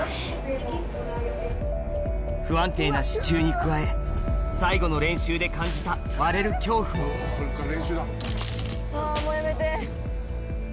不安定な支柱に加え最後の練習で感じた割れる恐怖もあもうやめて。